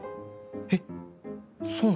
えっそうなの？